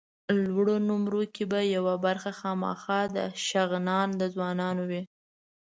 لوړو نومرو کې به یوه برخه خامخا د شغنان د ځوانانو وي.